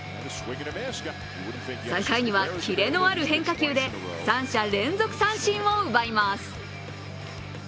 ３回にはキレのある変化球で３者連続三振を奪います。